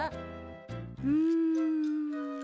うん。